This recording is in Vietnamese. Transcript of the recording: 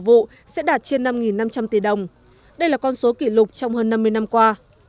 năm nay doanh thu của vụ sẽ đạt trên năm năm trăm linh tỷ đồng đây là con số kỷ lục trong hơn năm mươi năm qua